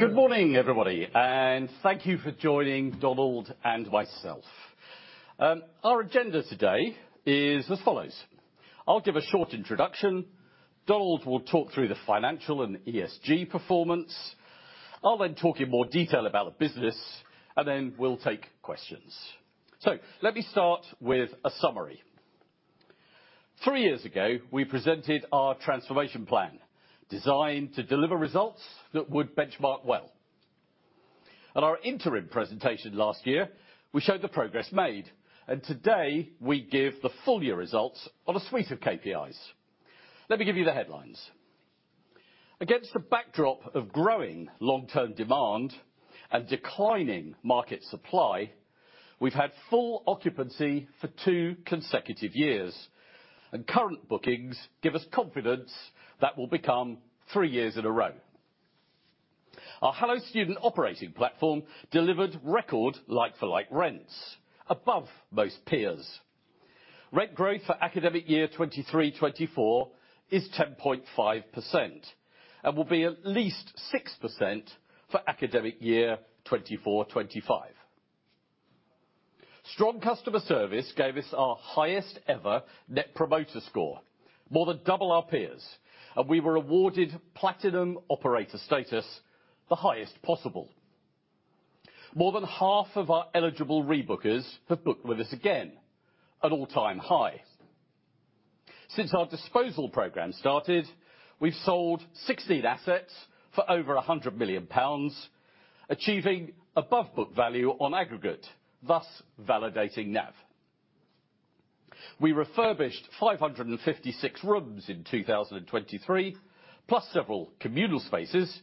Good morning, everybody, and thank you for joining Donald and myself. Our agenda today is as follows: I'll give a short introduction, Donald will talk through the financial and ESG performance, I'll then talk in more detail about the business, and then we'll take questions. So let me start with a summary. Three years ago we presented our transformation plan, designed to deliver results that would benchmark well. At our interim presentation last year we showed the progress made, and today we give the full year results on a suite of KPIs. Let me give you the headlines. Against a backdrop of growing long-term demand and declining market supply, we've had full occupancy for two consecutive years, and current bookings give us confidence that will become three years in a row. Our Hello Student operating platform delivered record like-for-like rents, above most peers. Rent growth for academic year 23/24 is 10.5%, and will be at least 6% for academic year 24/25. Strong customer service gave us our highest-ever Net Promoter Score, more than double our peers, and we were awarded Platinum Operator status, the highest possible. More than half of our eligible rebookers have booked with us again, an all-time high. Since our disposal program started, we've sold 16 assets for over 100 million pounds, achieving above-book value on aggregate, thus validating NAV. We refurbished 556 rooms in 2023, plus several communal spaces,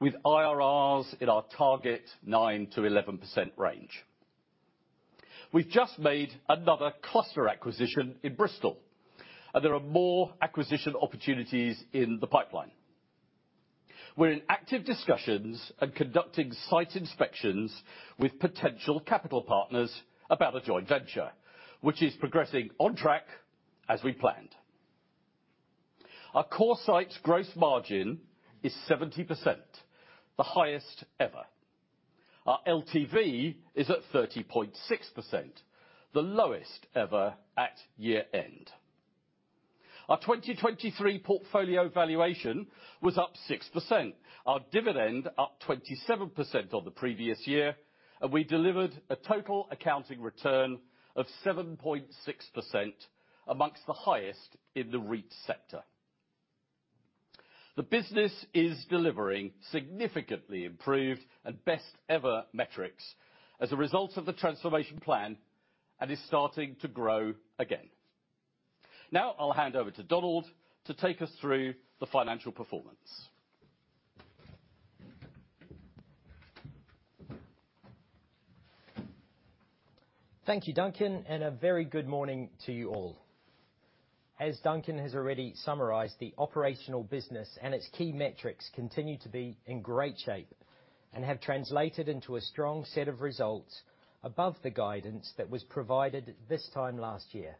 with IRRs in our target 9%-11% range. We've just made another cluster acquisition in Bristol, and there are more acquisition opportunities in the pipeline. We're in active discussions and conducting site inspections with potential capital partners about a joint venture, which is progressing on track as we planned. Our core site's gross margin is 70%, the highest ever. Our LTV is at 30.6%, the lowest ever at year-end. Our 2023 portfolio valuation was up 6%, our dividend up 27% on the previous year, and we delivered a total accounting return of 7.6%, among the highest in the REIT sector. The business is delivering significantly improved and best-ever metrics as a result of the transformation plan and is starting to grow again. Now I'll hand over to Donald to take us through the financial performance. Thank you, Duncan, and a very good morning to you all. As Duncan has already summarized, the operational business and its key metrics continue to be in great shape and have translated into a strong set of results above the guidance that was provided this time last year.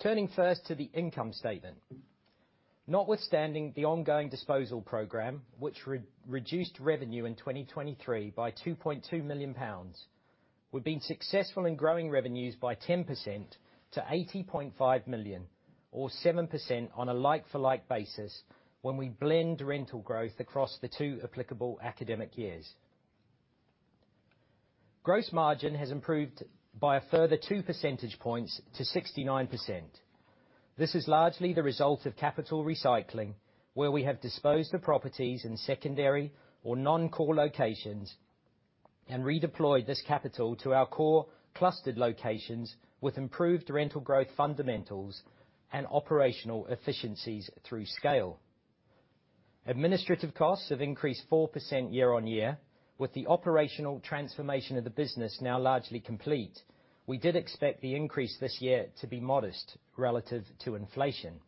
Turning first to the income statement. Notwithstanding the ongoing disposal program, which reduced revenue in 2023 by GBP 2.2 million, we've been successful in growing revenues by 10% to GBP 80.5 million, or 7% on a like-for-like basis when we blend rental growth across the two applicable academic years. Gross margin has improved by a further 2 percentage points to 69%. This is largely the result of capital recycling, where we have disposed of properties in secondary or non-core locations and redeployed this capital to our core clustered locations with improved rental growth fundamentals and operational efficiencies through scale. Administrative costs have increased 4% year-over-year, with the operational transformation of the business now largely complete. We did expect the increase this year to be modest relative to inflation.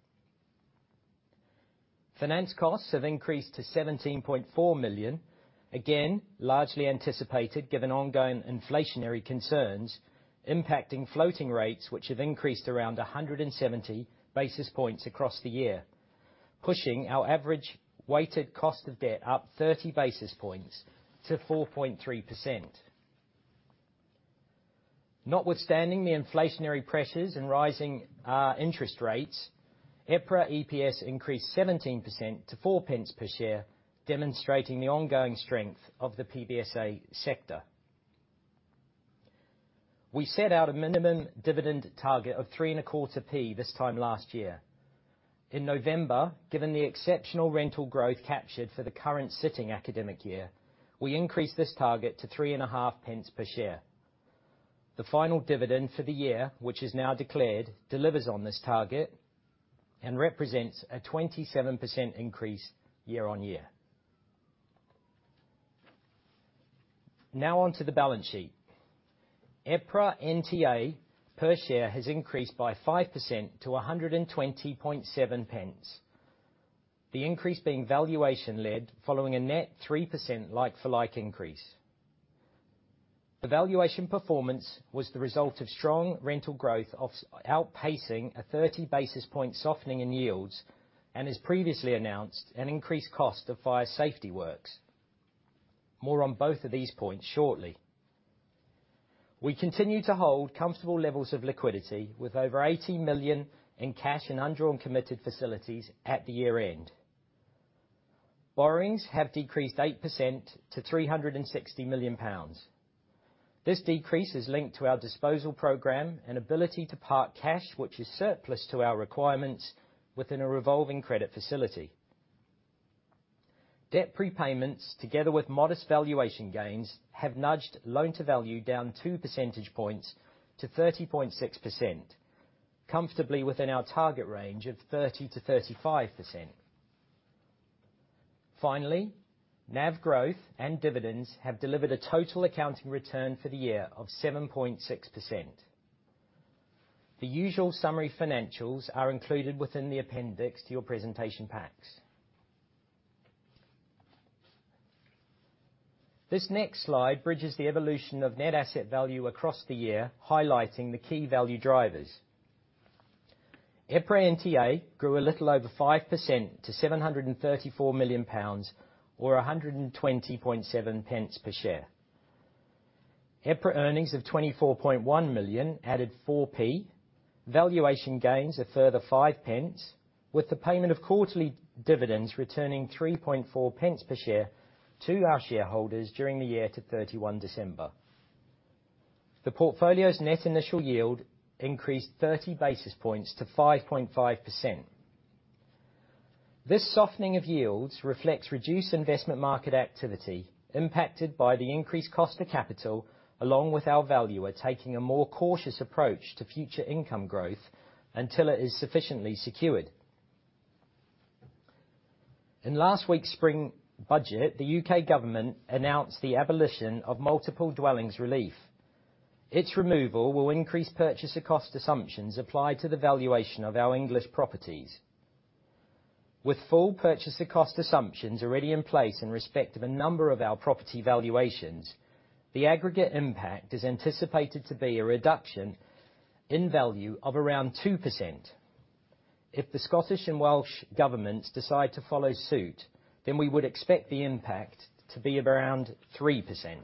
Finance costs have increased to 17.4 million, again largely anticipated given ongoing inflationary concerns, impacting floating rates which have increased around 170 basis points across the year, pushing our average weighted cost of debt up 30 basis points to 4.3%. Notwithstanding the inflationary pressures and rising interest rates, EPRA EPS increased 17% to 4 pence per share, demonstrating the ongoing strength of the PBSA sector. We set out a minimum dividend target of 3.25p this time last year. In November, given the exceptional rental growth captured for the current sitting academic year, we increased this target to 3.5 pence per share. The final dividend for the year, which is now declared, delivers on this target and represents a 27% increase year-on-year. Now onto the balance sheet. EPRA NTA per share has increased by 5% to 1.207, the increase being valuation-led following a net 3% like-for-like increase. The valuation performance was the result of strong rental growth outpacing a 30 basis point softening in yields and, as previously announced, an increased cost of fire safety works. More on both of these points shortly. We continue to hold comfortable levels of liquidity with over 80 million in cash in undrawn committed facilities at the year-end. Borrowings have decreased 8% to 360 million pounds. This decrease is linked to our disposal program and ability to park cash which is surplus to our requirements within a revolving credit facility. Debt prepayments, together with modest valuation gains, have nudged loan-to-value down 2 percentage points to 30.6%, comfortably within our target range of 30%-35%. Finally, NAV growth and dividends have delivered a total accounting return for the year of 7.6%. The usual summary financials are included within the appendix to your presentation packs. This next slide bridges the evolution of net asset value across the year, highlighting the key value drivers. EPRA NTA grew a little over 5% to 734 million pounds, or 120.7 pence per share. EPRA earnings of 24.1 million added 4p, valuation gains a further 5 pence, with the payment of quarterly dividends returning 3.4 pence per share to our shareholders during the year to 31 December. The portfolio's net initial yield increased 30 basis points to 5.5%. This softening of yields reflects reduced investment market activity impacted by the increased cost of capital, along with our valuer taking a more cautious approach to future income growth until it is sufficiently secured. In last week's spring budget, the U.K. government announced the abolition of Multiple Dwellings Relief. Its removal will increase purchaser cost assumptions applied to the valuation of our English properties. With full purchaser cost assumptions already in place in respect of a number of our property valuations, the aggregate impact is anticipated to be a reduction in value of around 2%. If the Scottish and Welsh governments decide to follow suit, then we would expect the impact to be around 3%.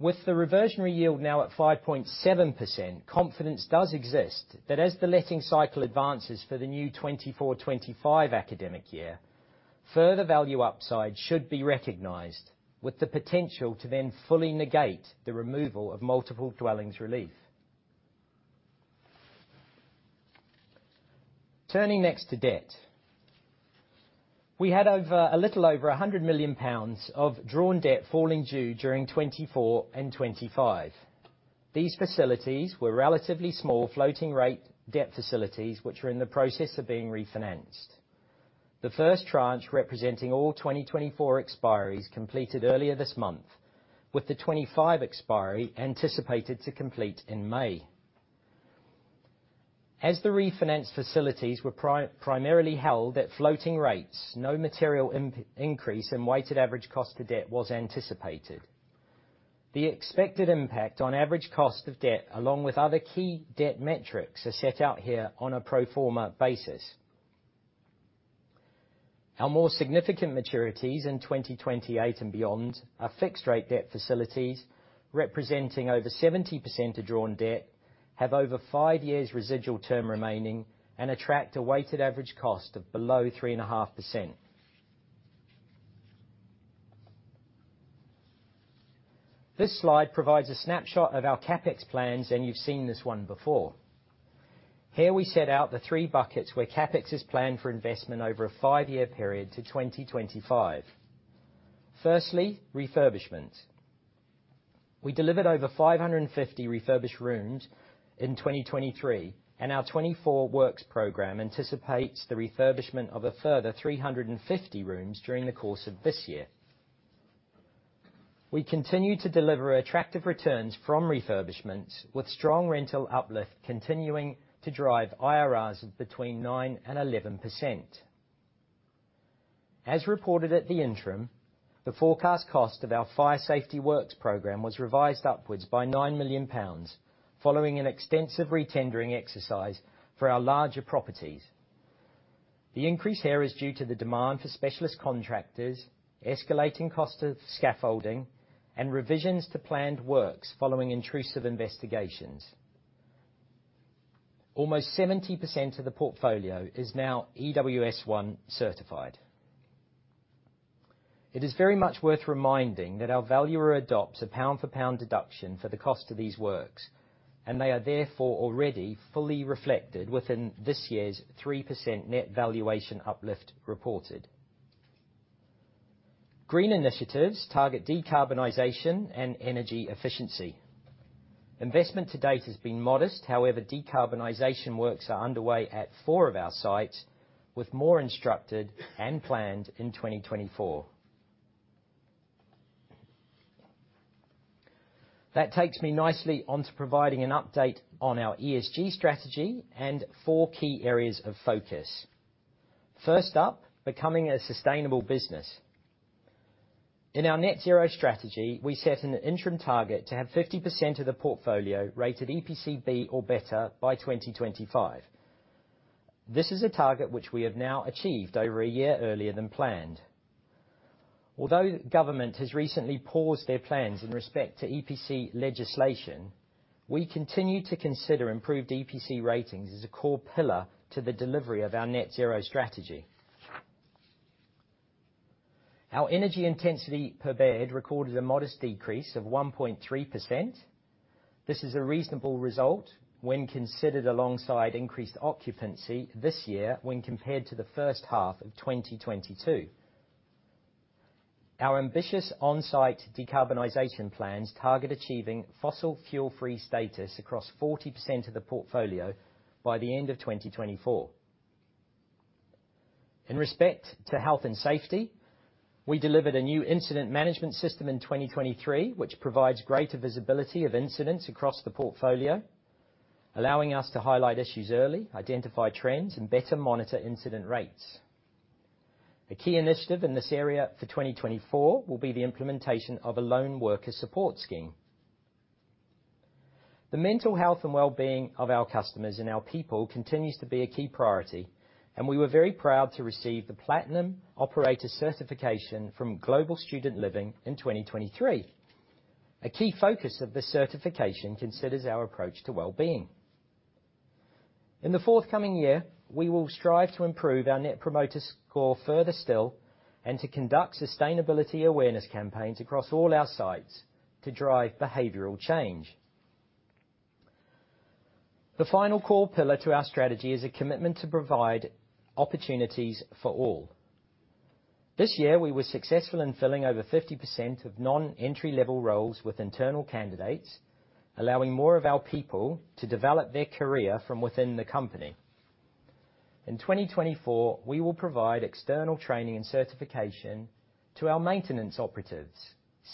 With the reversionary yield now at 5.7%, confidence does exist that as the letting cycle advances for the new 2024/25 academic year, further value upside should be recognized, with the potential to then fully negate the removal of Multiple Dwellings Relief. Turning next to debt. We had a little over 100 million pounds of drawn debt falling due during 2024 and 2025. These facilities were relatively small floating-rate debt facilities which were in the process of being refinanced. The first tranche representing all 2024 expiries completed earlier this month, with the 2025 expiry anticipated to complete in May. As the refinanced facilities were primarily held at floating rates, no material impact or increase in weighted average cost of debt was anticipated. The expected impact on average cost of debt, along with other key debt metrics, are set out here on a pro forma basis. Our more significant maturities in 2028 and beyond are fixed-rate debt facilities, representing over 70% of drawn debt, have over 5 years' residual term remaining, and attract a weighted average cost of below 3.5%. This slide provides a snapshot of our CapEx plans, and you've seen this one before. Here we set out the 3 buckets where CapEx is planned for investment over a 5-year period to 2025. Firstly, refurbishment. We delivered over 550 refurbished rooms in 2023, and our 2024 works program anticipates the refurbishment of a further 350 rooms during the course of this year. We continue to deliver attractive returns from refurbishments, with strong rental uplift continuing to drive IRRs of between 9%-11%. As reported at the interim, the forecast cost of our fire safety works program was revised upwards by 9 million pounds, following an extensive retendering exercise for our larger properties. The increase here is due to the demand for specialist contractors, escalating cost of scaffolding, and revisions to planned works following intrusive investigations. Almost 70% of the portfolio is now EWS1 certified. It is very much worth reminding that our valuer adopts a pound-for-pound deduction for the cost of these works, and they are therefore already fully reflected within this year's 3% net valuation uplift reported. Green initiatives target decarbonization and energy efficiency. Investment to date has been modest. However, decarbonization works are underway at 4 of our sites, with more instructed and planned in 2024. That takes me nicely onto providing an update on our ESG strategy and four key areas of focus. First up, becoming a sustainable business. In our net-zero strategy, we set an interim target to have 50% of the portfolio rated EPC B or better by 2025. This is a target which we have now achieved over a year earlier than planned. Although the government has recently paused their plans in respect to EPC legislation, we continue to consider improved EPC ratings as a core pillar to the delivery of our net-zero strategy. Our energy intensity per bed recorded a modest decrease of 1.3%. This is a reasonable result when considered alongside increased occupancy this year when compared to the first half of 2022. Our ambitious onsite decarbonization plans target achieving fossil fuel-free status across 40% of the portfolio by the end of 2024. In respect to health and safety, we delivered a new incident management system in 2023 which provides greater visibility of incidents across the portfolio, allowing us to highlight issues early, identify trends, and better monitor incident rates. A key initiative in this area for 2024 will be the implementation of a lone worker support scheme. The mental health and well-being of our customers and our people continues to be a key priority, and we were very proud to receive the Platinum Operator Certification from Global Student Living in 2023. A key focus of the certification considers our approach to well-being. In the forthcoming year, we will strive to improve our Net Promoter Score further still and to conduct sustainability awareness campaigns across all our sites to drive behavioral change. The final core pillar to our strategy is a commitment to provide opportunities for all. This year, we were successful in filling over 50% of non-entry-level roles with internal candidates, allowing more of our people to develop their career from within the company. In 2024, we will provide external training and certification to our maintenance operatives,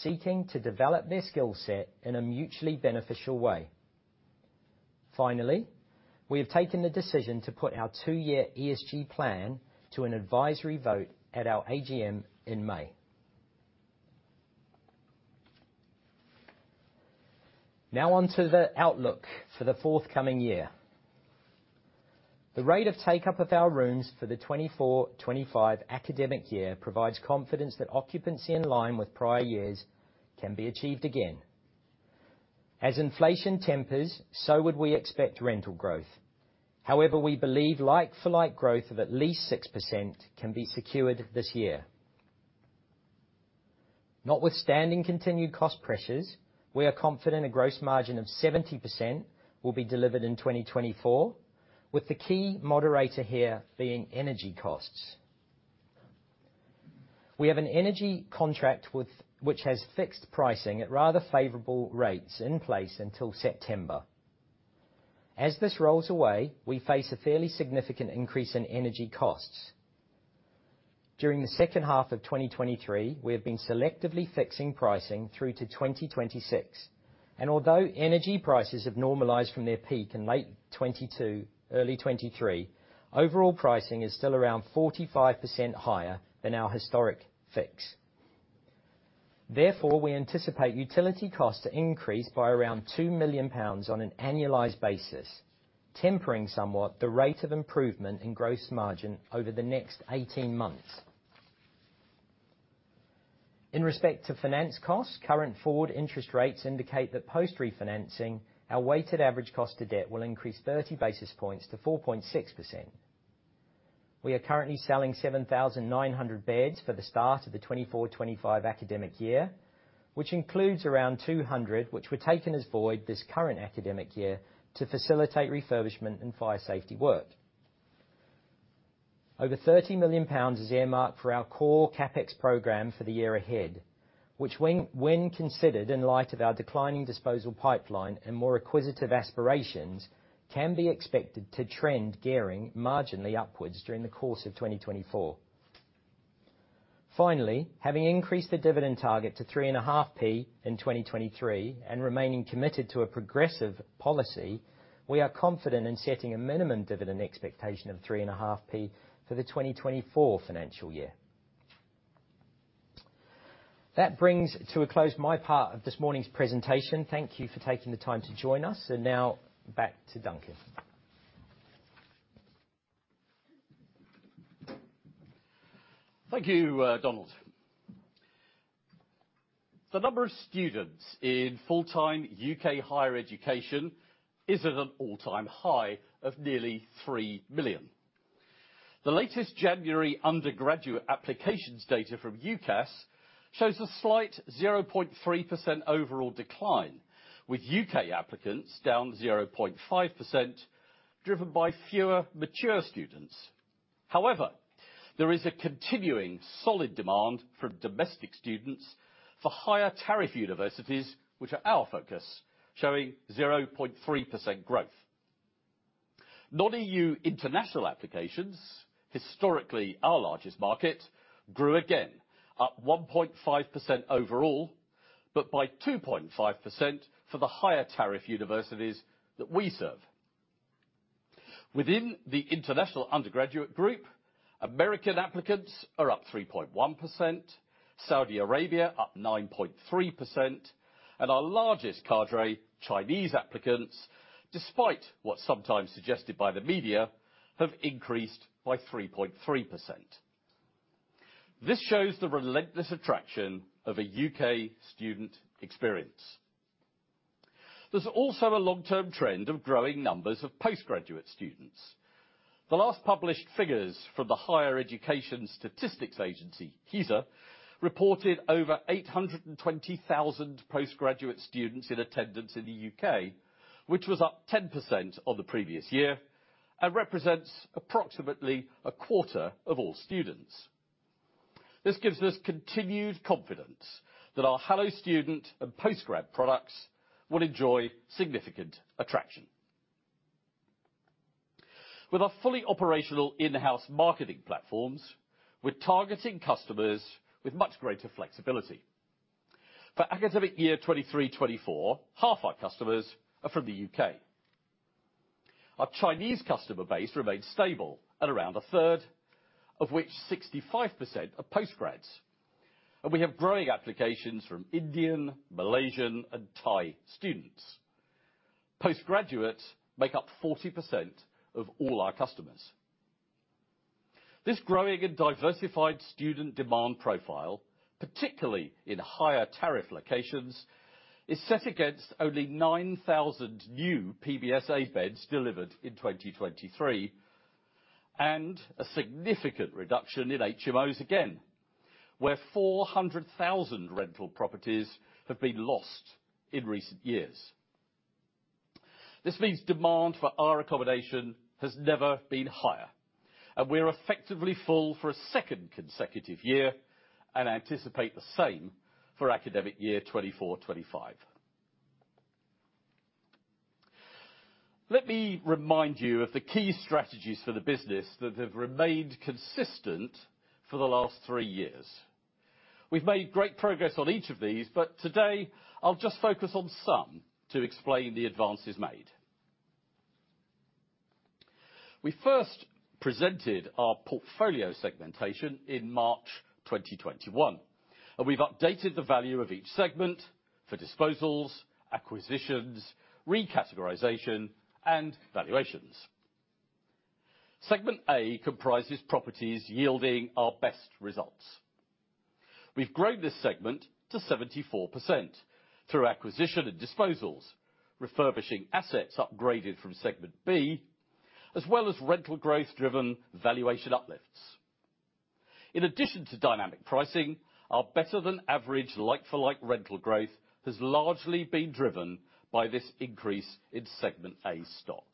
seeking to develop their skill set in a mutually beneficial way. Finally, we have taken the decision to put our two-year ESG plan to an advisory vote at our AGM in May. Now onto the outlook for the forthcoming year. The rate of take-up of our rooms for the 2024/2025 academic year provides confidence that occupancy in line with prior years can be achieved again. As inflation tempers, so would we expect rental growth. However, we believe like-for-like growth of at least 6% can be secured this year. Notwithstanding continued cost pressures, we are confident a gross margin of 70% will be delivered in 2024, with the key moderator here being energy costs. We have an energy contract with which has fixed pricing at rather favorable rates in place until September. As this rolls away, we face a fairly significant increase in energy costs. During the second half of 2023, we have been selectively fixing pricing through to 2026, and although energy prices have normalized from their peak in late 2022, early 2023, overall pricing is still around 45% higher than our historic fix. Therefore, we anticipate utility costs to increase by around 2 million pounds on an annualized basis, tempering somewhat the rate of improvement in gross margin over the next 18 months. In respect to finance costs, current forward interest rates indicate that post-refinancing, our weighted average cost of debt will increase 30 basis points to 4.6%. We are currently selling 7,900 beds for the start of the 2024/25 academic year, which includes around 200 which were taken as void this current academic year to facilitate refurbishment and fire safety work. Over 30 million pounds is earmarked for our core CapEx program for the year ahead, which, when considered in light of our declining disposal pipeline and more acquisitive aspirations, can be expected to trend gearing marginally upwards during the course of 2024. Finally, having increased the dividend target to 3.5p in 2023 and remaining committed to a progressive policy, we are confident in setting a minimum dividend expectation of 3.5p for the 2024 financial year. That brings to a close my part of this morning's presentation. Thank you for taking the time to join us. Now back to Duncan. Thank you, Donald. The number of students in full-time U.K. higher education is at an all-time high of nearly 3 million. The latest January undergraduate applications data from UCAS shows a slight 0.3% overall decline, with U.K. applicants down 0.5%, driven by fewer mature students. However, there is a continuing solid demand from domestic students for higher tariff universities, which are our focus, showing 0.3% growth. Non-E.U. international applications, historically our largest market, grew again, up 1.5% overall, but by 2.5% for the higher tariff universities that we serve. Within the international undergraduate group, American applicants are up 3.1%, Saudi Arabia up 9.3%, and our largest cadre, Chinese applicants, despite what's sometimes suggested by the media, have increased by 3.3%. This shows the relentless attraction of a U.K. student experience. There's also a long-term trend of growing numbers of postgraduate students. The last published figures from the Higher Education Statistics Agency, HESA, reported over 820,000 postgraduate students in attendance in the UK, which was up 10% on the previous year and represents approximately a quarter of all students. This gives us continued confidence that our Hello Student and postgrad products will enjoy significant attraction. With our fully operational in-house marketing platforms, we're targeting customers with much greater flexibility. For academic year 2023/2024, half our customers are from the UK. Our Chinese customer base remains stable at around a third, of which 65% are postgrads, and we have growing applications from Indian, Malaysian, and Thai students. Postgraduates make up 40% of all our customers. This growing and diversified student demand profile, particularly in higher tariff locations, is set against only 9,000 new PBSA beds delivered in 2023 and a significant reduction in HMOs again, where 400,000 rental properties have been lost in recent years. This means demand for our accommodation has never been higher, and we're effectively full for a second consecutive year and anticipate the same for academic year 2024/2025. Let me remind you of the key strategies for the business that have remained consistent for the last three years. We've made great progress on each of these, but today I'll just focus on some to explain the advances made. We first presented our portfolio segmentation in March 2021, and we've updated the value of each segment for disposals, acquisitions, recategorization, and valuations. Segment A comprises properties yielding our best results. We've grown this segment to 74% through acquisition and disposals, refurbishing assets upgraded from segment B, as well as rental growth-driven valuation uplifts. In addition to dynamic pricing, our better-than-average like-for-like rental growth has largely been driven by this increase in segment A stock.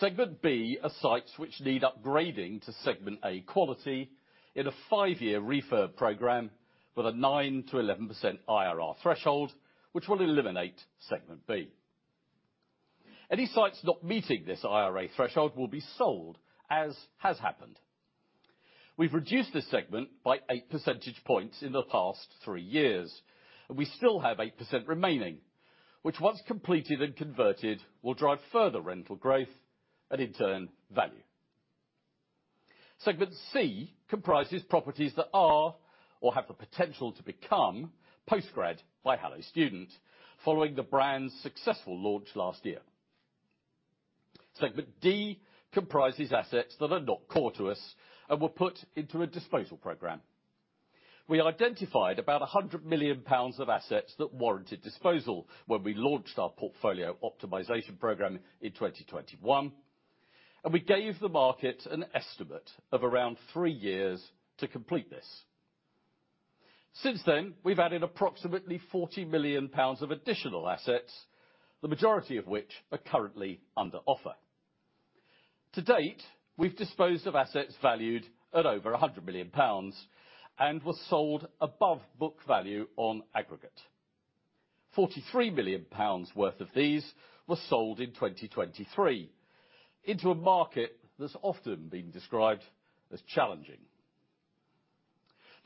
Segment B are sites which need upgrading to segment A quality in a five-year refurb program with a 9%-11% IRR threshold, which will eliminate segment B. Any sites not meeting this IRR threshold will be sold, as has happened. We've reduced this segment by 8 percentage points in the past three years, and we still have 8% remaining, which, once completed and converted, will drive further rental growth and, in turn, value. Segment C comprises properties that are or have the potential to become Postgrad by Hello Student, following the brand's successful launch last year. Segment D comprises assets that are not core to us and were put into a disposal program. We identified about 100 million pounds of assets that warranted disposal when we launched our portfolio optimization program in 2021, and we gave the market an estimate of around three years to complete this. Since then, we've added approximately 40 million pounds of additional assets, the majority of which are currently under offer. To date, we've disposed of assets valued at over 100 million pounds and were sold above book value on aggregate. 43 million pounds worth of these were sold in 2023 into a market that's often been described as challenging.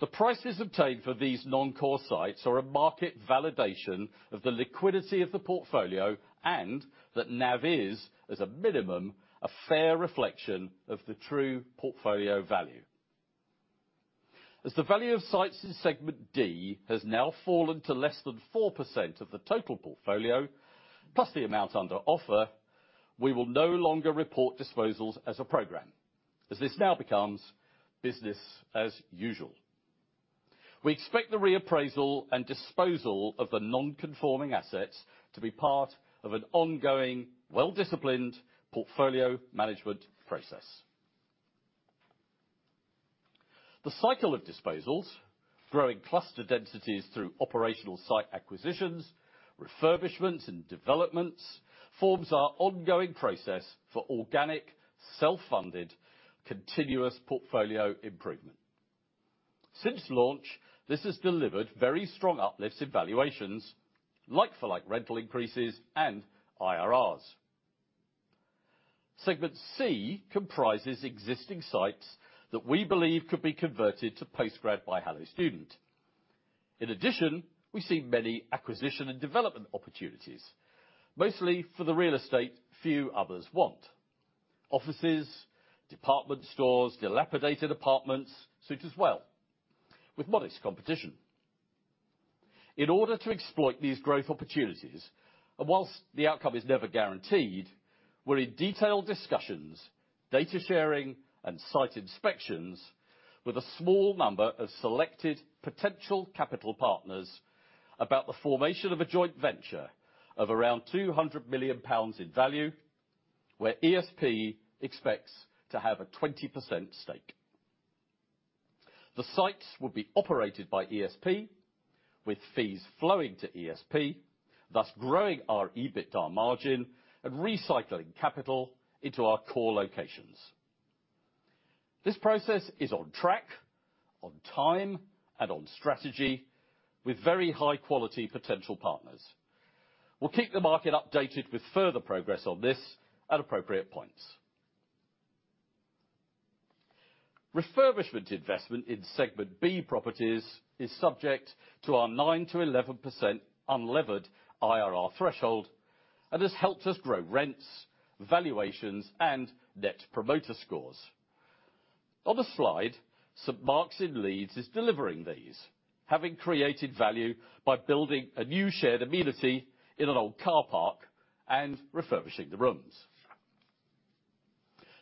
The prices obtained for these non-core sites are a market validation of the liquidity of the portfolio and that now is, as a minimum, a fair reflection of the true portfolio value. As the value of sites in segment D has now fallen to less than 4% of the total portfolio, plus the amount under offer, we will no longer report disposals as a program, as this now becomes business as usual. We expect the reappraisal and disposal of the non-conforming assets to be part of an ongoing, well-disciplined portfolio management process. The cycle of disposals, growing cluster densities through operational site acquisitions, refurbishments, and developments, forms our ongoing process for organic, self-funded, continuous portfolio improvement. Since launch, this has delivered very strong uplifts in valuations, like-for-like rental increases, and IRRs. Segment C comprises existing sites that we believe could be converted to Postgrad by Hello Student. In addition, we see many acquisition and development opportunities, mostly for the real estate few others want: offices, department stores, dilapidated apartments suited as well, with modest competition. In order to exploit these growth opportunities, and whilst the outcome is never guaranteed, we're in detailed discussions, data sharing, and site inspections with a small number of selected potential capital partners about the formation of a joint venture of around 200 million pounds in value, where ESP expects to have a 20% stake. The sites would be operated by ESP, with fees flowing to ESP, thus growing our EBITDA margin and recycling capital into our core locations. This process is on track, on time, and on strategy with very high-quality potential partners. We'll keep the market updated with further progress on this at appropriate points. Refurbishment investment in segment B properties is subject to our 9%-11% unlevered IRR threshold and has helped us grow rents, valuations, and net promoter scores. On the slide, St. Mark's in Leeds is delivering these, having created value by building a new shared amenity in an old car park and refurbishing the rooms.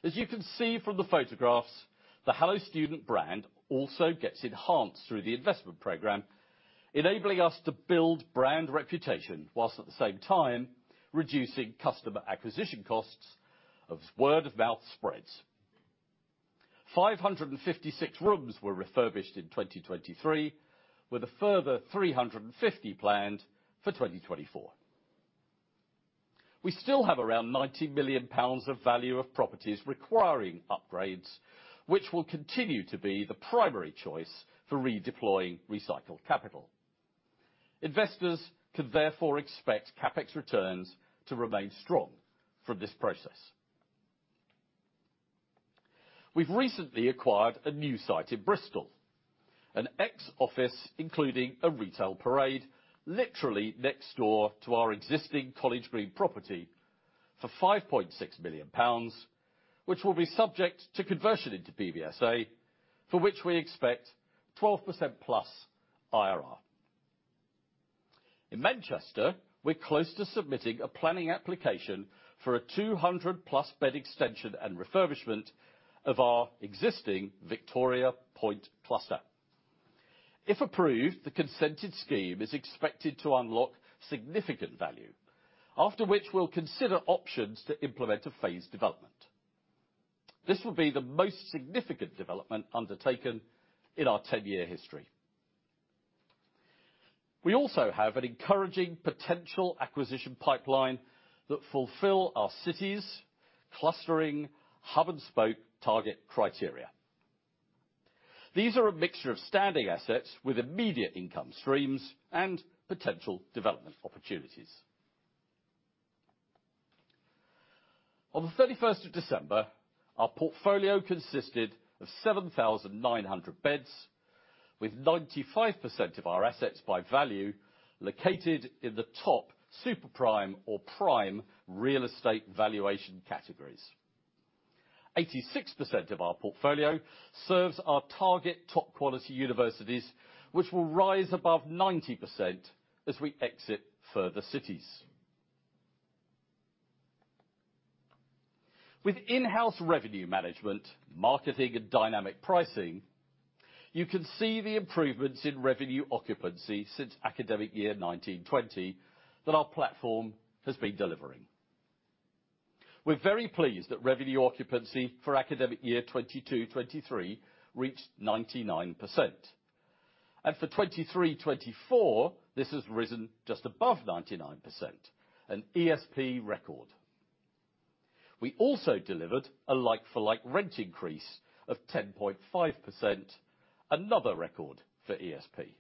As you can see from the photographs, the Hello Student brand also gets enhanced through the investment program, enabling us to build brand reputation while at the same time reducing customer acquisition costs of word-of-mouth spreads. 556 rooms were refurbished in 2023, with a further 350 planned for 2024. We still have around 90 million pounds of value of properties requiring upgrades, which will continue to be the primary choice for redeploying recycled capital. Investors can therefore expect CapEx returns to remain strong from this process. We've recently acquired a new site in Bristol, an ex-office including a retail parade literally next door to our existing College Green property for 5.6 million pounds, which will be subject to conversion into PBSA, for which we expect 12%+ IRR. In Manchester, we're close to submitting a planning application for a 200+ bed extension and refurbishment of our existing Victoria Point cluster. If approved, the consented scheme is expected to unlock significant value, after which we'll consider options to implement a phased development. This will be the most significant development undertaken in our 10-year history. We also have an encouraging potential acquisition pipeline that fulfill our cities' clustering, hub, and spoke target criteria. These are a mixture of standing assets with immediate income streams and potential development opportunities. On the 31st of December, our portfolio consisted of 7,900 beds, with 95% of our assets by value located in the top superprime or prime real estate valuation categories. 86% of our portfolio serves our target top-quality universities, which will rise above 90% as we exit further cities. With in-house revenue management, marketing, and dynamic pricing, you can see the improvements in revenue occupancy since academic year 2019/2020 that our platform has been delivering. We're very pleased that revenue occupancy for academic year 2022/2023 reached 99%, and for 2023/2024, this has risen just above 99%, an ESP record. We also delivered a like-for-like rent increase of 10.5%, another record for ESP.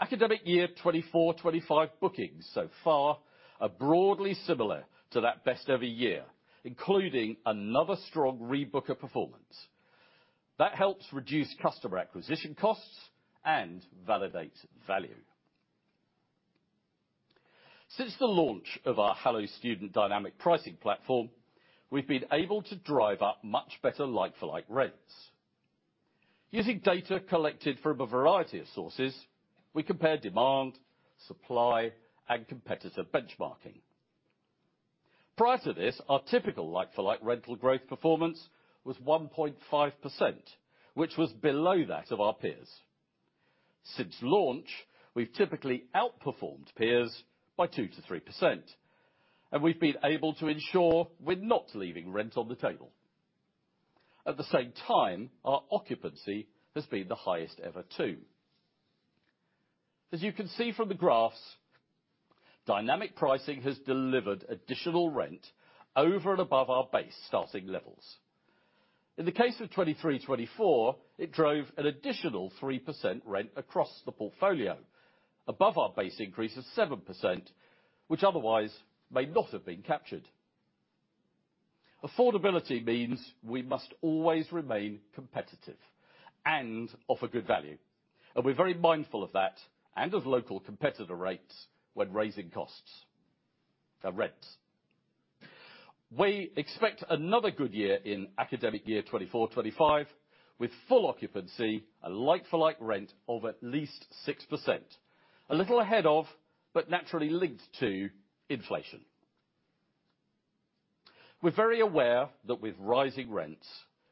Academic year 2024/2025 bookings so far are broadly similar to that best-ever year, including another strong rebooker performance. That helps reduce customer acquisition costs and validate value. Since the launch of our Hello Student dynamic pricing platform, we've been able to drive up much better like-for-like rents. Using data collected from a variety of sources, we compare demand, supply, and competitor benchmarking. Prior to this, our typical like-for-like rental growth performance was 1.5%, which was below that of our peers. Since launch, we've typically outperformed peers by 2%-3%, and we've been able to ensure we're not leaving rent on the table. At the same time, our occupancy has been the highest ever too. As you can see from the graphs, dynamic pricing has delivered additional rent over and above our base starting levels. In the case of 2023/2024, it drove an additional 3% rent across the portfolio, above our base increase of 7%, which otherwise may not have been captured. Affordability means we must always remain competitive and offer good value, and we're very mindful of that and of local competitor rates when raising costs, rents. We expect another good year in academic year 2024/2025 with full occupancy and like-for-like rent of at least 6%, a little ahead of but naturally linked to inflation. We're very aware that with rising rents,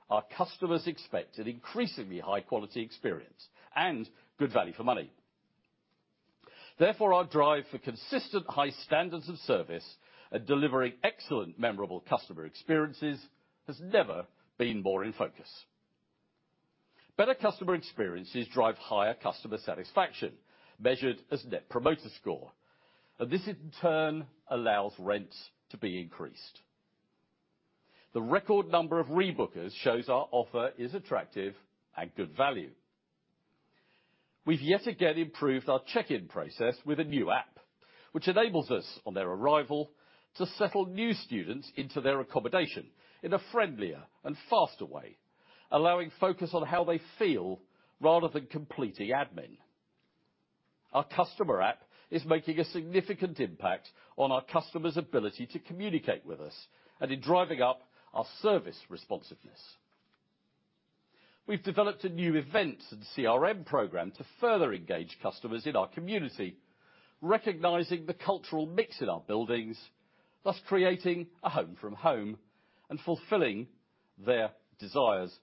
our customers expect an increasingly high-quality experience and good value for money. Therefore, our drive for consistent high standards of service and delivering excellent, memorable customer experiences has never been more in focus. Better customer experiences drive higher customer satisfaction, measured as Net Promoter Score, and this, in turn, allows rents to be increased. The record number of rebookers shows our offer is attractive and good value. We've yet again improved our check-in process with a new app, which enables us, on their arrival, to settle new students into their accommodation in a friendlier and faster way, allowing focus on how they feel rather than completing admin. Our customer app is making a significant impact on our customers' ability to communicate with us and in driving up our service responsiveness. We've developed a new events and CRM program to further engage customers in our community, recognizing the cultural mix in our buildings, thus creating a home from home and fulfilling their desires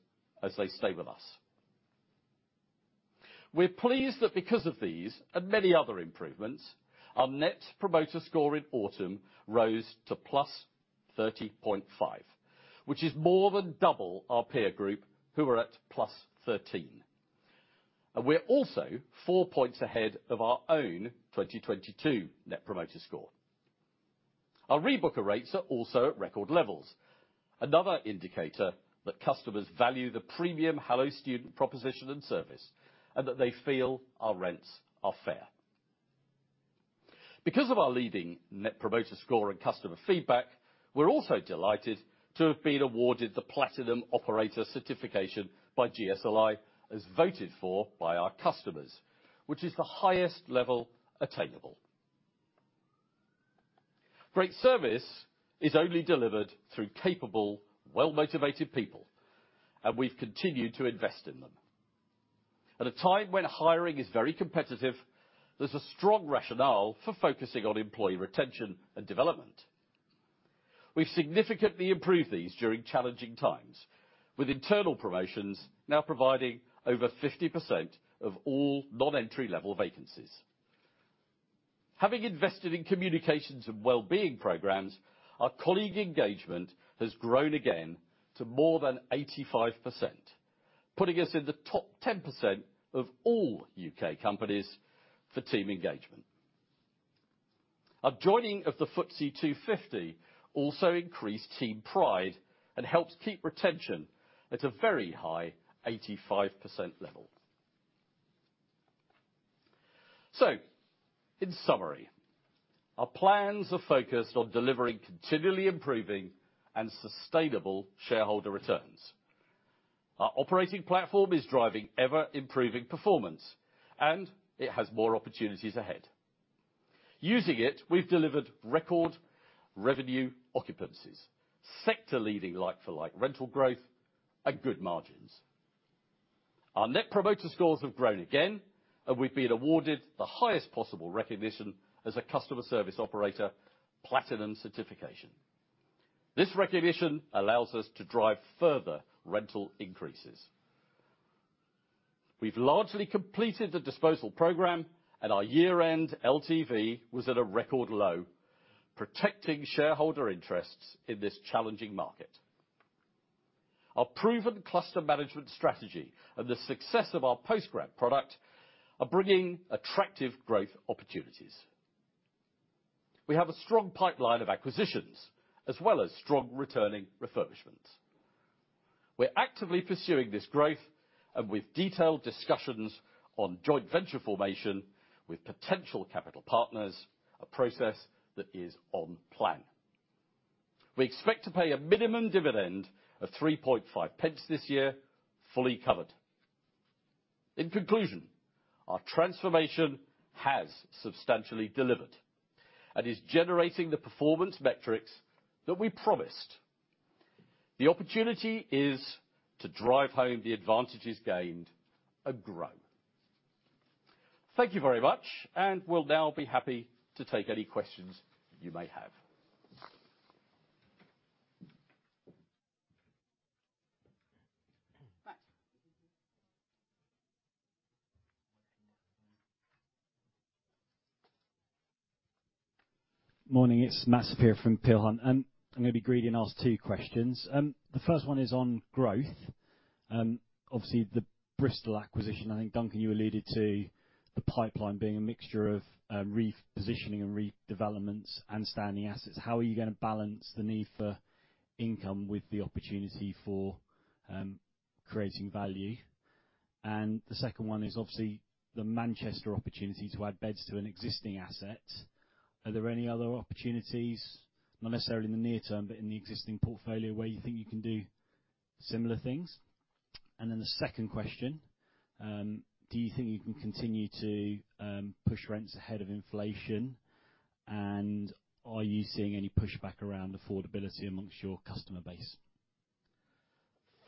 as they stay with us. We're pleased that because of these and many other improvements, our Net Promoter Score in autumn rose to plus 30.5, which is more than double our peer group who are at plus 13. We're also four points ahead of our own 2020/2022 Net Promoter Score. Our rebooker rates are also at record levels, another indicator that customers value the premium Hello Student proposition and service and that they feel our rents are fair. Because of our leading Net Promoter Score and customer feedback, we're also delighted to have been awarded the Platinum Operator Certification by GSLI, as voted for by our customers, which is the highest level attainable. Great service is only delivered through capable, well-motivated people, and we've continued to invest in them. At a time when hiring is very competitive, there's a strong rationale for focusing on employee retention and development. We've significantly improved these during challenging times, with internal promotions now providing over 50% of all non-entry-level vacancies. Having invested in communications and well-being programs, our colleague engagement has grown again to more than 85%, putting us in the top 10% of all UK companies for team engagement. Our joining of the FTSE 250 also increased team pride and helps keep retention at a very high 85% level. So, in summary, our plans are focused on delivering continually improving and sustainable shareholder returns. Our operating platform is driving ever-improving performance, and it has more opportunities ahead. Using it, we've delivered record revenue occupancies, sector-leading like-for-like rental growth, and good margins. Our Net Promoter Scores have grown again, and we've been awarded the highest possible recognition as a customer service operator, Platinum Certification. This recognition allows us to drive further rental increases. We've largely completed the disposal program, and our year-end LTV was at a record low, protecting shareholder interests in this challenging market. Our proven cluster management strategy and the success of our postgrad product are bringing attractive growth opportunities. We have a strong pipeline of acquisitions as well as strong returning refurbishments. We're actively pursuing this growth, and with detailed discussions on joint venture formation with potential capital partners, a process that is on plan. We expect to pay a minimum dividend of 0.035 this year, fully covered. In conclusion, our transformation has substantially delivered and is generating the performance metrics that we promised. The opportunity is to drive home the advantages gained and grow. Thank you very much, and we'll now be happy to take any questions you may have. Right. Morning. It's Matt Saperia from Peel Hunt, and I'm going to be greedy and ask two questions. The first one is on growth. Obviously, the Bristol acquisition, I think Duncan you alluded to the pipeline being a mixture of, repositioning and redevelopments and standing assets. How are you going to balance the need for income with the opportunity for, creating value? And the second one is obviously the Manchester opportunity to add beds to an existing asset. Are there any other opportunities, not necessarily in the near term but in the existing portfolio, where you think you can do similar things? And then the second question, do you think you can continue to, push rents ahead of inflation, and are you seeing any pushback around affordability among your customer base?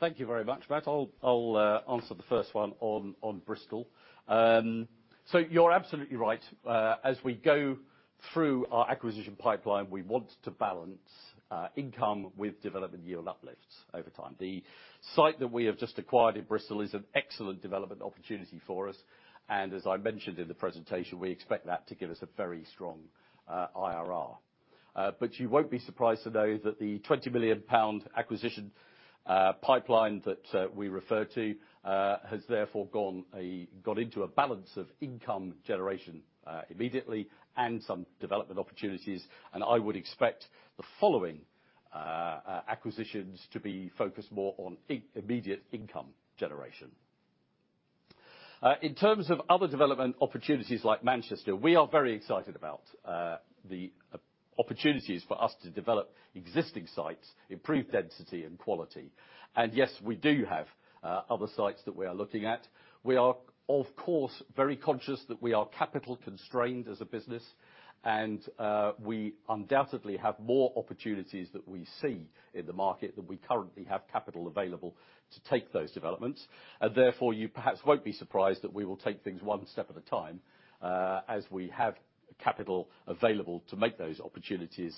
Thank you very much, Matt. I'll, I'll, answer the first one on, on Bristol. So you're absolutely right. As we go through our acquisition pipeline, we want to balance income with development yield uplifts over time. The site that we have just acquired in Bristol is an excellent development opportunity for us, and as I mentioned in the presentation, we expect that to give us a very strong IRR. But you won't be surprised to know that the 20 million pound acquisition pipeline that we refer to has therefore gone and got into a balance of income generation immediately and some development opportunities, and I would expect the following acquisitions to be focused more on immediate income generation. In terms of other development opportunities like Manchester, we are very excited about the opportunities for us to develop existing sites, improve density and quality. And yes, we do have other sites that we are looking at. We are, of course, very conscious that we are capital-constrained as a business, and we undoubtedly have more opportunities that we see in the market than we currently have capital available to take those developments. And therefore, you perhaps won't be surprised that we will take things one step at a time, as we have capital available to make those opportunities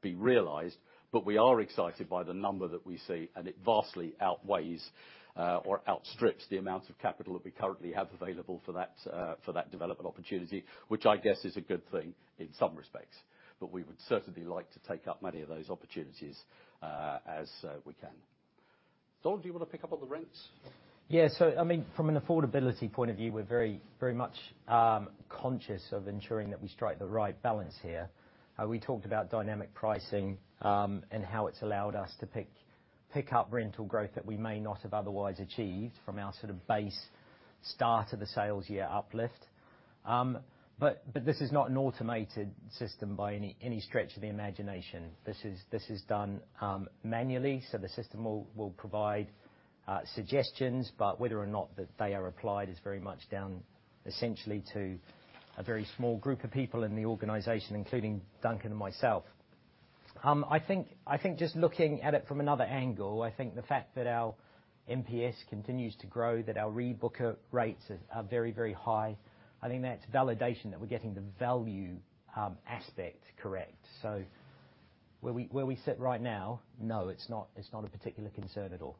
be realized. But we are excited by the number that we see, and it vastly outweighs or outstrips the amount of capital that we currently have available for that, for that development opportunity, which I guess is a good thing in some respects. But we would certainly like to take up many of those opportunities, as we can. Donald, do you want to pick up on the rents? Yeah. So, I mean, from an affordability point of view, we're very, very much conscious of ensuring that we strike the right balance here. We talked about dynamic pricing, and how it's allowed us to pick, pick up rental growth that we may not have otherwise achieved from our sort of base start of the sales year uplift. But, but this is not an automated system by any, any stretch of the imagination. This is, this is done manually, so the system will, will provide suggestions, but whether or not that they are applied is very much down essentially to a very small group of people in the organization, including Duncan and myself. I think just looking at it from another angle, I think the fact that our MPS continues to grow, that our rebooker rates are very, very high, I think that's validation that we're getting the value aspect correct. So where we sit right now, no, it's not a particular concern at all.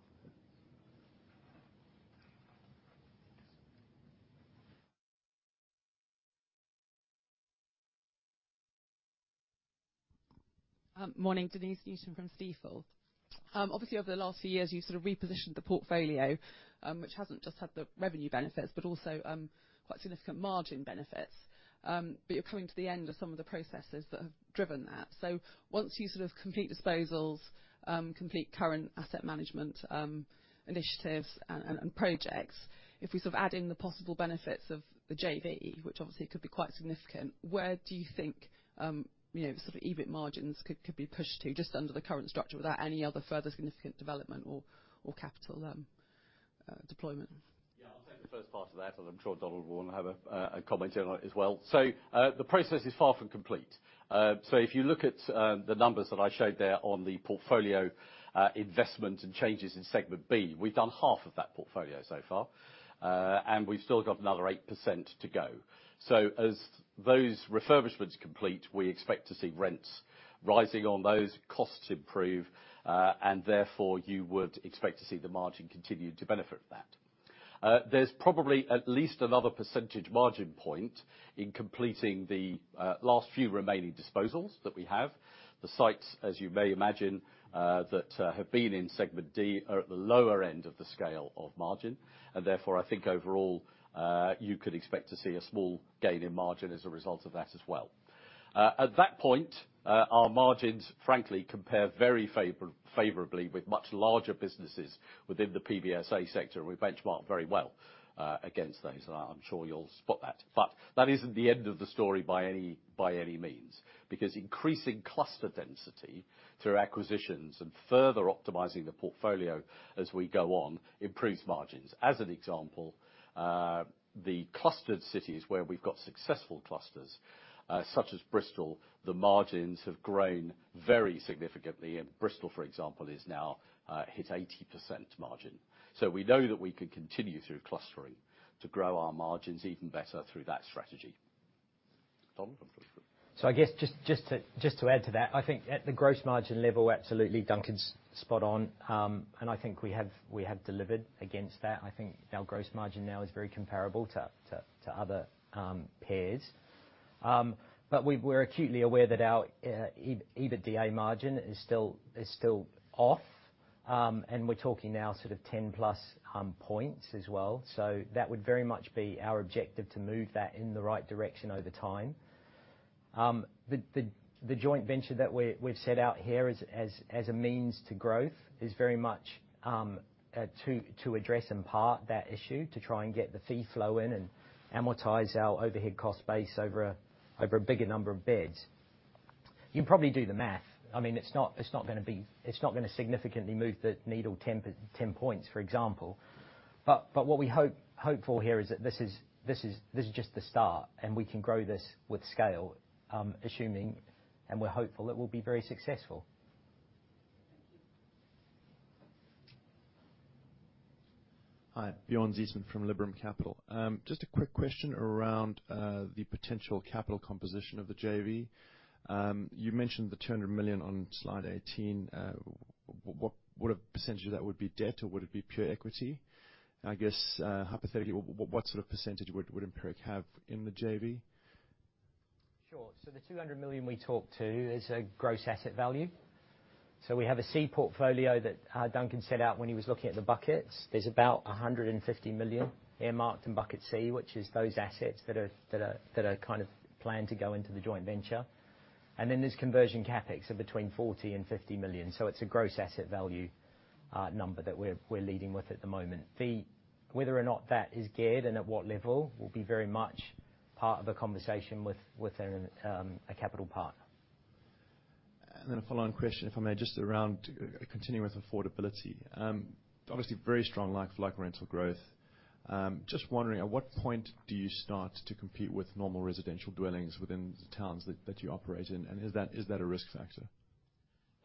Morning. Denese Newton from Stifel. Obviously, over the last few years, you've sort of repositioned the portfolio, which hasn't just had the revenue benefits but also, quite significant margin benefits. But you're coming to the end of some of the processes that have driven that. So once you sort of complete disposals, complete current asset management, initiatives and projects, if we sort of add in the possible benefits of the JV, which obviously could be quite significant, where do you think, you know, sort of EBIT margins could be pushed to just under the current structure without any other further significant development or capital deployment? Yeah. I'll take the first part of that, and I'm sure Donald Grant will have a comment on it as well. So, the process is far from complete. So if you look at the numbers that I showed there on the portfolio, investment and changes in segment B, we've done half of that portfolio so far, and we've still got another 8% to go. So as those refurbishments complete, we expect to see rents rising on those, costs improve, and therefore you would expect to see the margin continue to benefit from that. There's probably at least another percentage margin point in completing the last few remaining disposals that we have. The sites, as you may imagine, that have been in segment D are at the lower end of the scale of margin, and therefore I think overall, you could expect to see a small gain in margin as a result of that as well. At that point, our margins, frankly, compare very favorably with much larger businesses within the PBSA sector, and we benchmark very well against those, and I'm sure you'll spot that. But that isn't the end of the story by any, by any means because increasing cluster density through acquisitions and further optimizing the portfolio as we go on improves margins. As an example, the clustered cities where we've got successful clusters, such as Bristol, the margins have grown very significantly, and Bristol, for example, is now hit 80% margin. We know that we can continue through clustering to grow our margins even better through that strategy. Donald, I'm sorry. So I guess just to add to that, I think at the gross margin level, absolutely, Duncan's spot on, and I think we have delivered against that. I think our gross margin now is very comparable to other peers. But we're acutely aware that our EBITDA margin is still off, and we're talking now sort of 10+ points as well. So that would very much be our objective to move that in the right direction over time. The joint venture that we've set out here as a means to growth is very much to address in part that issue, to try and get the fee flow in and amortize our overhead cost base over a bigger number of beds. You can probably do the math. I mean, it's not going to significantly move the needle 10 per 10 points, for example. But what we hope for here is that this is just the start, and we can grow this with scale, assuming, and we're hopeful it will be very successful. Thank you. Hi. Bjorn Zietsman from Liberum Capital. Just a quick question around the potential capital composition of the JV. You mentioned the 200 million on slide 18. What, what percentage of that would be debt, or would it be pure equity? I guess, hypothetically, what, what sort of percentage would, would Empiric have in the JV? Sure. So the 200 million we talked to is a gross asset value. We have a C portfolio that Duncan set out when he was looking at the buckets. There's about 150 million earmarked in bucket C, which is those assets that are kind of planned to go into the joint venture. And then there's conversion CapEx of between 40 million and 50 million, so it's a gross asset value number that we're leading with at the moment. Whether or not that is geared and at what level will be very much part of a conversation with a capital partner. And then a following question, if I may, just around continuing with affordability. Obviously, very strong like-for-like rental growth. Just wondering, at what point do you start to compete with normal residential dwellings within the towns that you operate in, and is that a risk factor?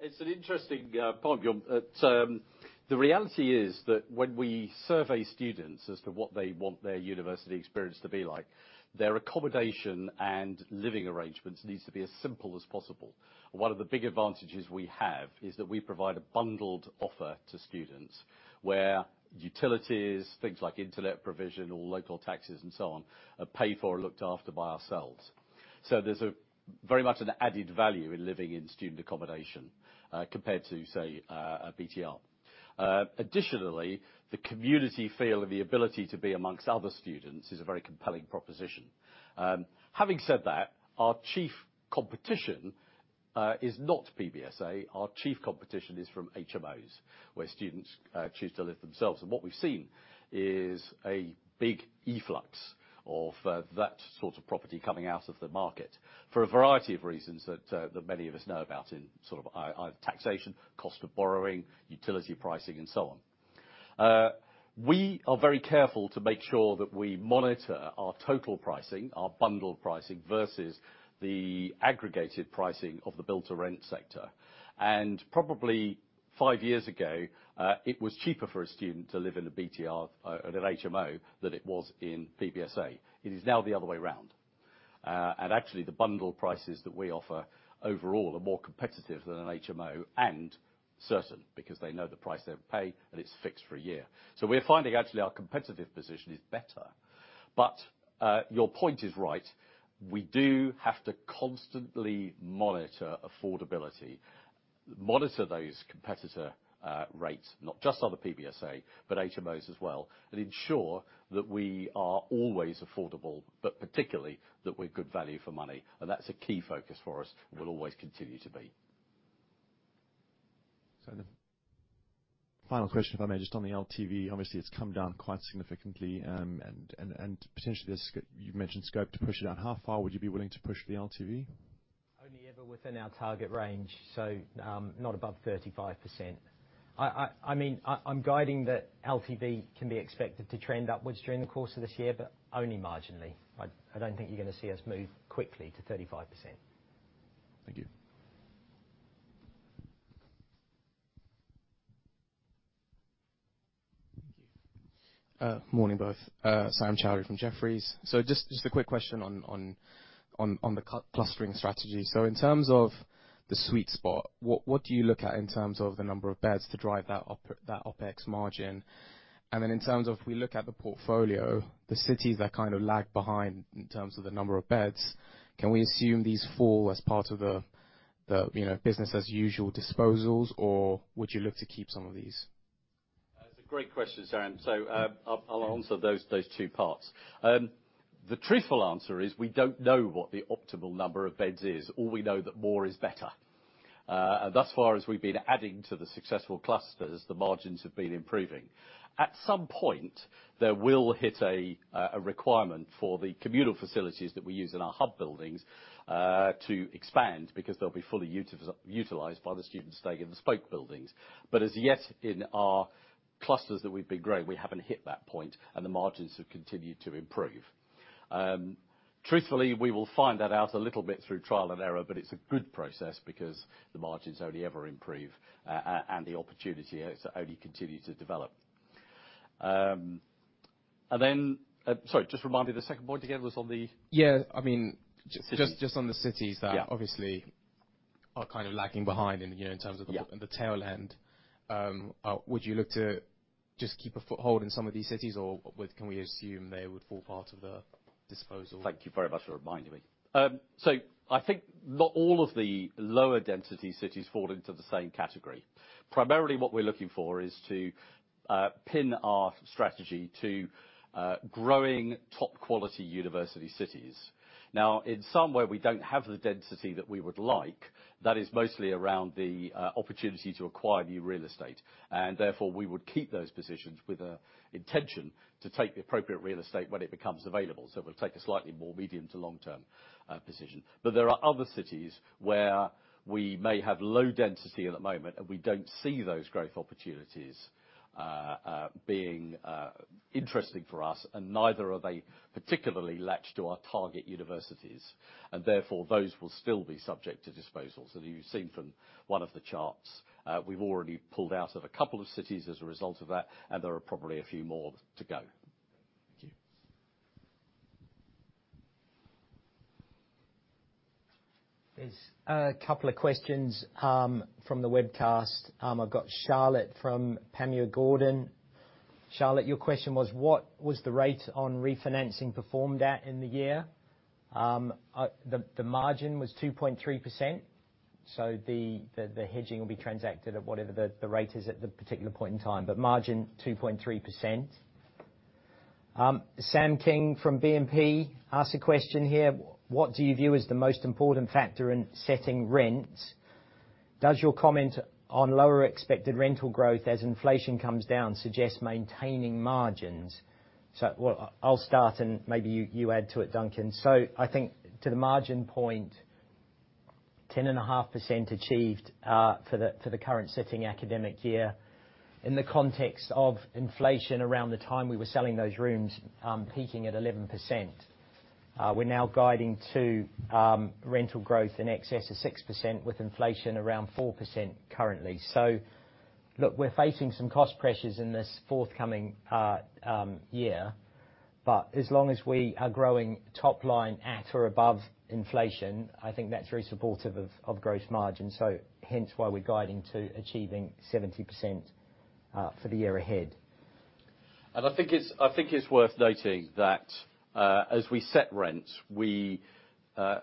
It's an interesting point, Bjorn, that the reality is that when we survey students as to what they want their university experience to be like, their accommodation and living arrangements need to be as simple as possible. One of the big advantages we have is that we provide a bundled offer to students where utilities, things like internet provision or local taxes and so on, are paid for and looked after by ourselves. So there's a very much an added value in living in student accommodation, compared to, say, a BTR. Additionally, the community feel and the ability to be amongst other students is a very compelling proposition. Having said that, our chief competition is not PBSA. Our chief competition is from HMOs where students choose to live themselves. And what we've seen is a big efflux of that sort of property coming out of the market for a variety of reasons that many of us know about in sort of either taxation, cost of borrowing, utility pricing, and so on. We are very careful to make sure that we monitor our total pricing, our bundled pricing, versus the aggregated pricing of the built-to-rent sector. And probably five years ago, it was cheaper for a student to live in a BTR, at an HMO than it was in PBSA. It is now the other way around. And actually, the bundled prices that we offer overall are more competitive than an HMO and certainly because they know the price they would pay, and it's fixed for a year. So we're finding actually our competitive position is better. But your point is right. We do have to constantly monitor affordability, monitor those competitors' rates, not just other PBSA but HMOs as well, and ensure that we are always affordable but particularly that we're good value for money. That's a key focus for us, and will always continue to be. So then final question, if I may, just on the LTV. Obviously, it's come down quite significantly, and potentially there is scope you've mentioned to push it down. How far would you be willing to push the LTV? Only ever within our target range, so, not above 35%. I mean, I'm guiding that LTV can be expected to trend upwards during the course of this year, but only marginally. I don't think you're going to see us move quickly to 35%. Thank you. Thank you. Morning both. Sam Chowdhury from Jefferies. So just a quick question on the clustering strategy. So in terms of the sweet spot, what do you look at in terms of the number of beds to drive that OpEx margin? And then in terms of if we look at the portfolio, the cities that kind of lag behind in terms of the number of beds, can we assume these fall as part of the, the, you know, business-as-usual disposals, or would you look to keep some of these? It's a great question, Sam. So, I'll answer those two parts. The truthful answer is we don't know what the optimal number of beds is. All we know is that more is better. And thus far as we've been adding to the successful clusters, the margins have been improving. At some point, there will hit a requirement for the communal facilities that we use in our hub buildings, to expand because they'll be fully utilized by the students staying in the spoke buildings. But as yet in our clusters that we've been growing, we haven't hit that point, and the margins have continued to improve. Truthfully, we will find that out a little bit through trial and error, but it's a good process because the margins only ever improve, and the opportunity has only continued to develop. And then, sorry, just remind me, the second point again was on the. Yeah. I mean, just on the cities that obviously are kind of lagging behind in, you know, in terms of the tail end. Would you look to just keep a foothold in some of these cities, or can we assume they would form part of the disposal? Thank you very much for reminding me. So I think not all of the lower density cities fall into the same category. Primarily, what we're looking for is to pin our strategy to growing top-quality university cities. Now, in some way, we don't have the density that we would like. That is mostly around the opportunity to acquire new real estate. And therefore, we would keep those positions with an intention to take the appropriate real estate when it becomes available. So we'll take a slightly more medium to long-term position. But there are other cities where we may have low density at the moment, and we don't see those growth opportunities being interesting for us, and neither are they particularly latched to our target universities. And therefore, those will still be subject to disposal. You've seen from one of the charts, we've already pulled out of a couple of cities as a result of that, and there are probably a few more to go. Thank you. There's a couple of questions from the webcast. I've got Charlotte from Panmure Gordon. Charlotte, your question was, what was the rate on refinancing performed at in the year? The margin was 2.3%, so the hedging will be transacted at whatever the rate is at the particular point in time, but margin 2.3%. Sam King from BNP asked a question here. What do you view as the most important factor in setting rents? Does your comment on lower expected rental growth as inflation comes down suggest maintaining margins? So well, I'll start, and maybe you add to it, Duncan. So I think to the margin point, 10.5% achieved, for the current letting academic year in the context of inflation around the time we were selling those rooms, peaking at 11%. We're now guiding to rental growth in excess of 6% with inflation around 4% currently. So look, we're facing some cost pressures in this forthcoming year, but as long as we are growing top-line at or above inflation, I think that's very supportive of gross margin, so hence why we're guiding to achieving 70% for the year ahead. I think it's worth noting that, as we set rents, we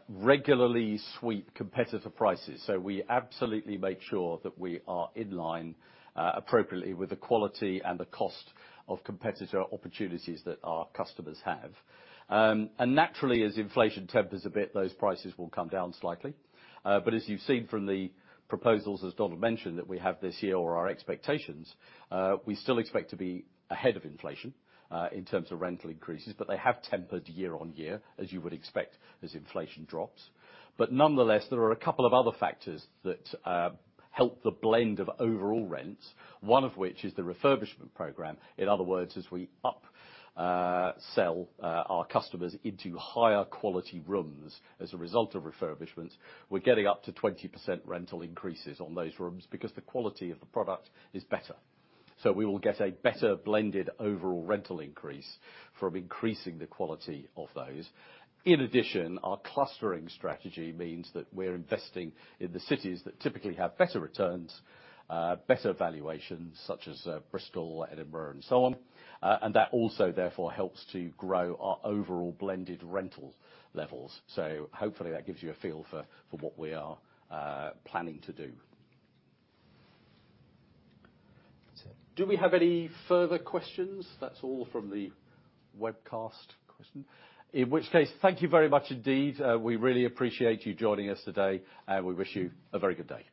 regularly sweep competitor prices. So we absolutely make sure that we are in line, appropriately with the quality and the cost of competitor opportunities that our customers have. And naturally, as inflation tempers a bit, those prices will come down slightly. But as you've seen from the proposals, as Donald mentioned, that we have this year or our expectations, we still expect to be ahead of inflation, in terms of rental increases, but they have tempered year-on-year as you would expect as inflation drops. But nonetheless, there are a couple of other factors that help the blend of overall rents, one of which is the refurbishment program. In other words, as we upsell our customers into higher-quality rooms as a result of refurbishments, we're getting up to 20% rental increases on those rooms because the quality of the product is better. So we will get a better blended overall rental increase from increasing the quality of those. In addition, our clustering strategy means that we're investing in the cities that typically have better returns, better valuations such as Bristol, Edinburgh, and so on, and that also therefore helps to grow our overall blended rental levels. So hopefully, that gives you a feel for what we are planning to do. That's it. Do we have any further questions? That's all from the webcast question. In which case, thank you very much indeed. We really appreciate you joining us today, and we wish you a very good day.